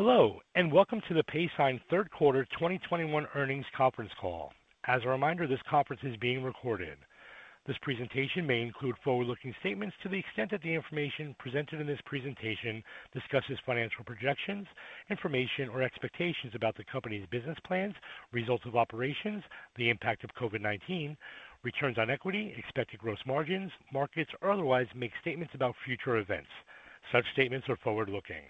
Hello, and welcome to the Paysign third quarter 2021 earnings conference call. As a reminder, this conference is being recorded. This presentation may include forward-looking statements to the extent that the information presented in this presentation discusses financial projections, information or expectations about the company's business plans, results of operations, the impact of COVID-19, returns on equity, expected gross margins, markets, or otherwise makes statements about future events. Such statements are forward-looking.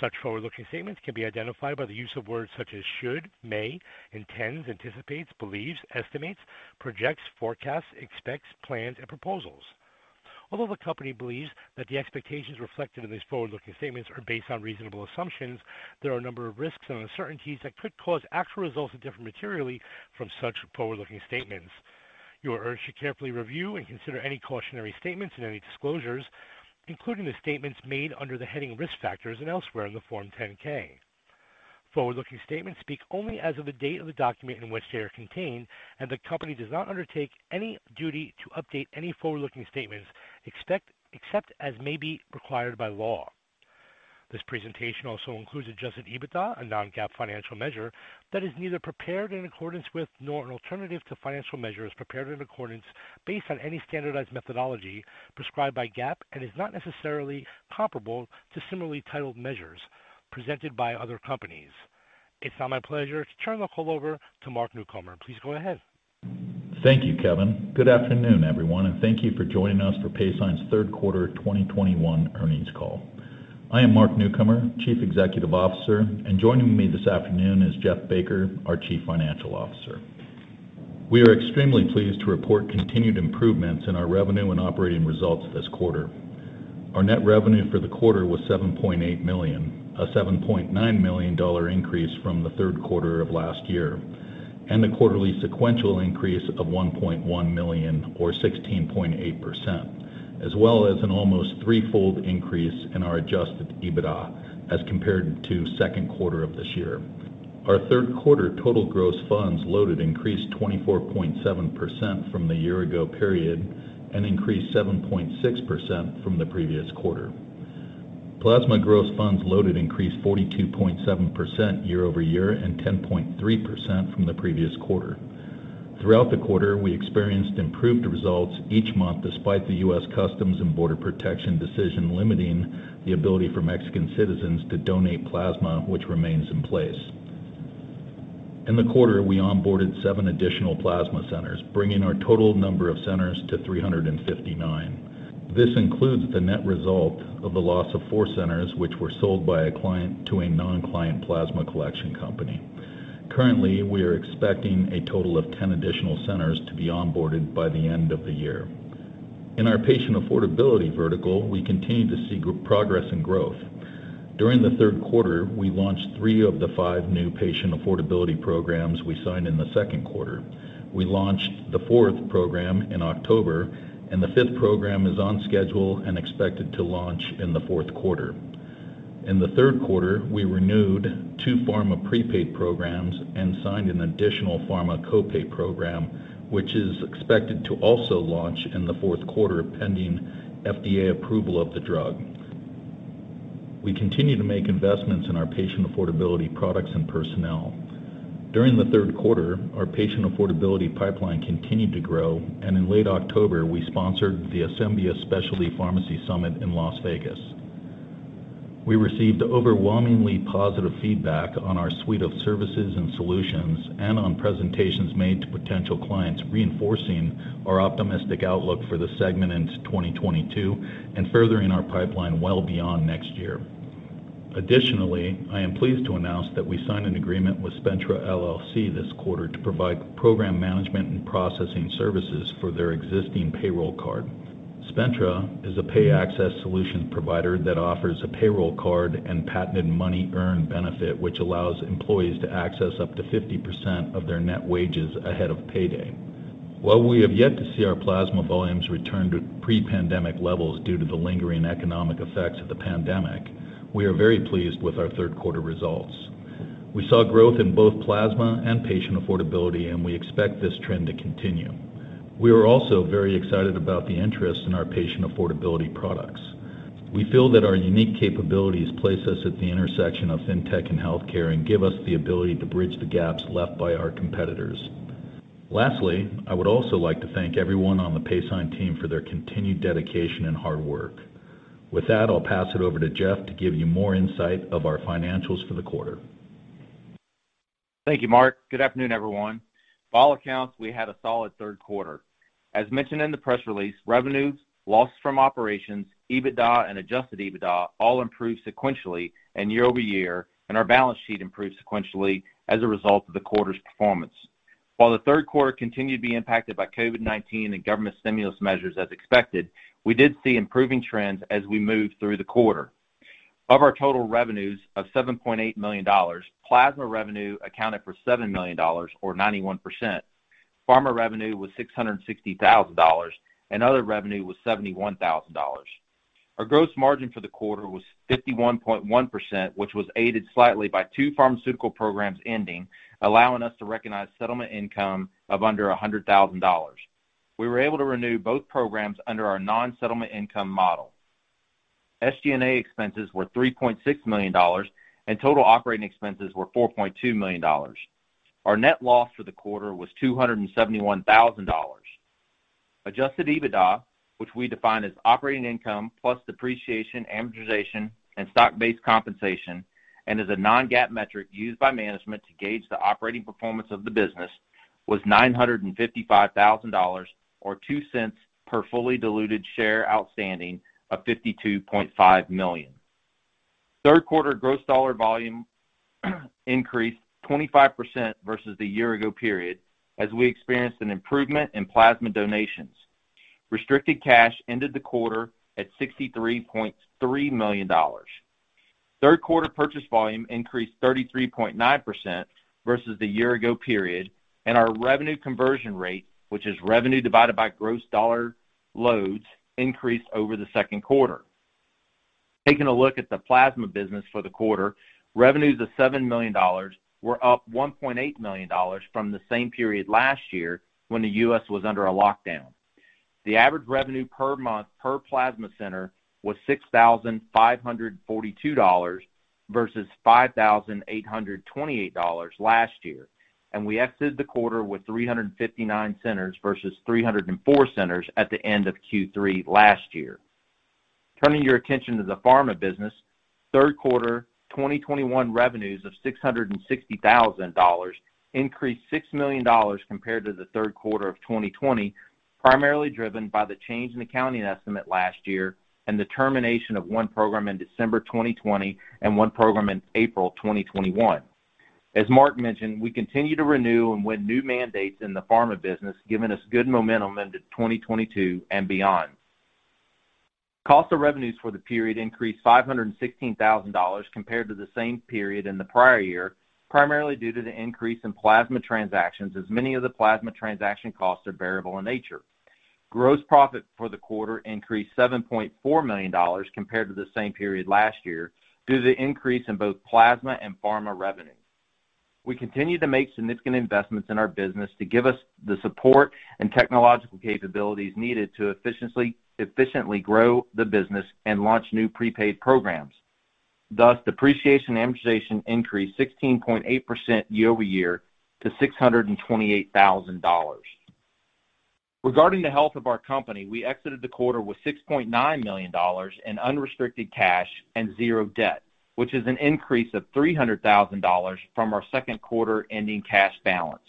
Such forward-looking statements can be identified by the use of words such as should, may, intends, anticipates, believes, estimates, projects, forecasts, expects, plans, and proposals. Although the Company believes that the expectations reflected in these forward-looking statements are based on reasonable assumptions, there are a number of risks and uncertainties that could cause actual results to differ materially from such forward-looking statements. You are urged to carefully review and consider any cautionary statements and any disclosures, including the statements made under the heading Risk Factors and elsewhere in the Form 10-K. Forward-looking statements speak only as of the date of the document in which they are contained, and the Company does not undertake any duty to update any forward-looking statements except as may be required by law. This presentation also includes adjusted EBITDA, a non-GAAP financial measure that is neither prepared in accordance with nor an alternative to financial measures prepared in accordance, based on any standardized methodology prescribed by GAAP and is not necessarily comparable to similarly titled measures presented by other companies. It's now my pleasure to turn the call over to Mark Newcomer. Please go ahead. Thank you, Kevin. Good afternoon, everyone, and thank you for joining us for Paysign's third quarter 2021 earnings call. I am Mark Newcomer, Chief Executive Officer, and joining me this afternoon is Jeff Baker, our Chief Financial Officer. We are extremely pleased to report continued improvements in our revenue and operating results this quarter. Our net revenue for the quarter was $7.8 million, a $7.9 million increase from the third quarter of last year, and a quarterly sequential increase of $1.1 million or 16.8%, as well as an almost threefold increase in our adjusted EBITDA as compared to second quarter of this year. Our third quarter total gross funds loaded increased 24.7% from the year ago period and increased 7.6% from the previous quarter. Plasma gross funds loaded increased 42.7% year-over-year and 10.3% from the previous quarter. Throughout the quarter, we experienced improved results each month despite the U.S. Customs and Border Protection decision limiting the ability for Mexican citizens to donate plasma, which remains in place. In the quarter, we onboarded seven additional plasma centers, bringing our total number of centers to 359. This includes the net result of the loss of four centers, which were sold by a client to a non-client plasma collection company. Currently, we are expecting a total of 10 additional centers to be onboarded by the end of the year. In our patient affordability vertical, we continue to see progress and growth. During the third quarter, we launched three of the five new patient affordability programs we signed in the second quarter. We launched the fourth program in October, and the fifth program is on schedule and expected to launch in the fourth quarter. In the third quarter, we renewed two pharma prepaid programs and signed an additional pharma copay program, which is expected to also launch in the fourth quarter, pending FDA approval of the drug. We continue to make investments in our patient affordability products and personnel. During the third quarter, our patient affordability pipeline continued to grow, and in late October, we sponsored Asembia's Specialty Pharmacy Summit in Las Vegas. We received overwhelmingly positive feedback on our suite of services and solutions and on presentations made to potential clients, reinforcing our optimistic outlook for the segment into 2022 and furthering our pipeline well beyond next year. Additionally, I am pleased to announce that we signed an agreement with Spentra LLC this quarter to provide program management and processing services for their existing payroll card. Spentra is a pay access solutions provider that offers a payroll card and patented Money Earned benefit, which allows employees to access up to 50% of their net wages ahead of payday. While we have yet to see our plasma volumes return to pre-pandemic levels due to the lingering economic effects of the pandemic, we are very pleased with our third quarter results. We saw growth in both plasma and patient affordability, and we expect this trend to continue. We are also very excited about the interest in our patient affordability products. We feel that our unique capabilities place us at the intersection of fintech and healthcare and give us the ability to bridge the gaps left by our competitors. Lastly, I would also like to thank everyone on the Paysign team for their continued dedication and hard work. With that, I'll pass it over to Jeff to give you more insight of our financials for the quarter. Thank you, Mark. Good afternoon, everyone. By all accounts, we had a solid third quarter. As mentioned in the press release, revenues, losses from operations, EBITDA, and adjusted EBITDA all improved sequentially and year-over-year, and our balance sheet improved sequentially as a result of the quarter's performance. While the third quarter continued to be impacted by COVID-19 and government stimulus measures as expected, we did see improving trends as we moved through the quarter. Of our total revenues of $7.8 million, plasma revenue accounted for $7 million or 91%. Pharma revenue was $660,000, and other revenue was $71,000. Our gross margin for the quarter was 51.1%, which was aided slightly by two pharmaceutical programs ending, allowing us to recognize settlement income of under $100,000. We were able to renew both programs under our nonsettlement income model. SG&A expenses were $3.6 million, and total operating expenses were $4.2 million. Our net loss for the quarter was $271,000. Adjusted EBITDA, which we define as operating income plus depreciation, amortization, and stock-based compensation, and is a non-GAAP metric used by management to gauge the operating performance of the business, was $955,000 or $0.02 per fully diluted share outstanding of 52.5 million. Third quarter gross dollar volume increased 25% versus the year ago period as we experienced an improvement in plasma donations. Restricted cash ended the quarter at $63.3 million. Third quarter purchase volume increased 33.9% versus the year ago period, and our revenue conversion rate, which is revenue divided by gross dollar loads, increased over the second quarter. Taking a look at the plasma business for the quarter, revenues of $7 million were up $1.8 million from the same period last year when the U.S. was under a lockdown. The average revenue per month per plasma center was $6,542 versus $5,828 last year. We exited the quarter with 359 centers versus 304 centers at the end of Q3 last year. Turning your attention to the pharma business, third quarter 2021 revenues of $660,000 increased $6 million compared to the third quarter of 2020, primarily driven by the change in accounting estimate last year and the termination of one program in December 2020 and one program in April 2021. As Mark mentioned, we continue to renew and win new mandates in the pharma business, giving us good momentum into 2022 and beyond. Cost of revenues for the period increased $516,000 compared to the same period in the prior year, primarily due to the increase in plasma transactions, as many of the plasma transaction costs are variable in nature. Gross profit for the quarter increased $7.4 million compared to the same period last year due to the increase in both plasma and pharma revenue. We continue to make significant investments in our business to give us the support and technological capabilities needed to efficiently grow the business and launch new prepaid programs. Thus, depreciation and amortization increased 16.8% year-over-year to $628,000. Regarding the health of our company, we exited the quarter with $6.9 million in unrestricted cash and zero debt, which is an increase of $300,000 from our second quarter ending cash balance.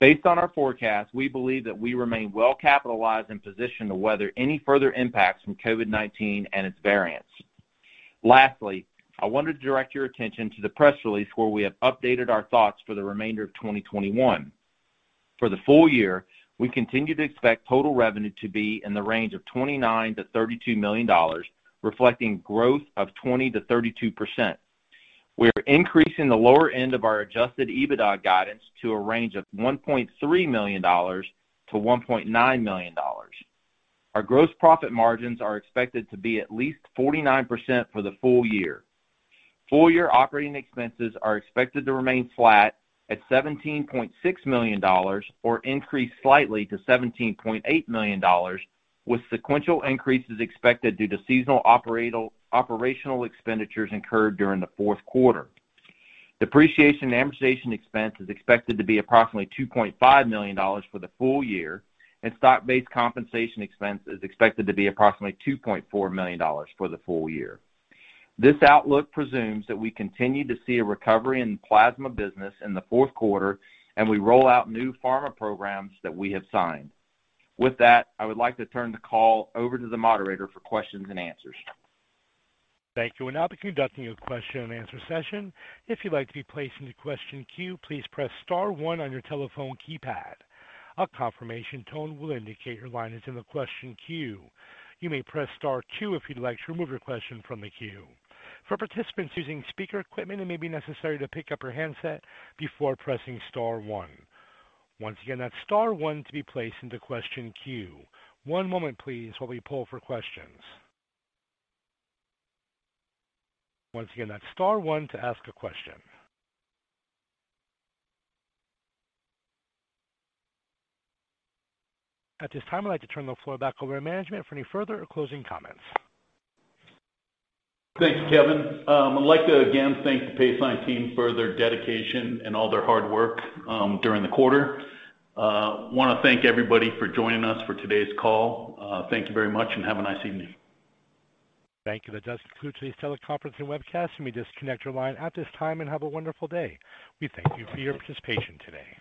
Based on our forecast, we believe that we remain well capitalized and positioned to weather any further impacts from COVID-19 and its variants. Lastly, I wanted to direct your attention to the press release where we have updated our thoughts for the remainder of 2021. For the full year, we continue to expect total revenue to be in the range of $29 million-$32 million, reflecting growth of 20%-32%. We are increasing the lower end of our adjusted EBITDA guidance to a range of $1.3 million-$1.9 million. Our gross profit margins are expected to be at least 49% for the full year. Full year operating expenses are expected to remain flat at $17.6 million or increase slightly to $17.8 million, with sequential increases expected due to seasonal operational expenditures incurred during the fourth quarter. Depreciation and amortization expense is expected to be approximately $2.5 million for the full year, and stock-based compensation expense is expected to be approximately $2.4 million for the full year. This outlook presumes that we continue to see a recovery in plasma business in the fourth quarter and we roll out new pharma programs that we have signed. With that, I would like to turn the call over to the moderator for questions and answers. Thank you. We'll now be conducting a question and answer session. If you'd like to be placed into question queue, please press star one on your telephone keypad. A confirmation tone will indicate your line is in the question queue. You may press star two if you'd like to remove your question from the queue. For participants using speaker equipment, it may be necessary to pick up your handset before pressing star one. Once again, that's star one to be placed into question queue. One moment please while we poll for questions. Once again, that's star one to ask a question. At this time, I'd like to turn the floor back over to management for any further or closing comments. Thank you, Kevin. I'd like to again thank the Paysign team for their dedication and all their hard work during the quarter. Wanna thank everybody for joining us for today's call. Thank you very much and have a nice evening. Thank you. That does conclude today's teleconference and webcast. You may disconnect your line at this time and have a wonderful day. We thank you for your participation today.